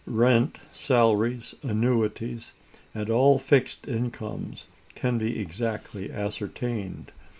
Rents, salaries, annuities, and all fixed incomes, can be exactly ascertained.